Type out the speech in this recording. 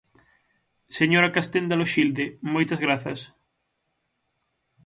Señora Castenda Loxilde, moitas grazas.